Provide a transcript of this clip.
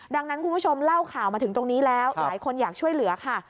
ดังนั้นคุณผู้ชมเล่าข่าวมาถึงตรงนี้แล้วหลายคนอยากช่วยเหลือค่ะ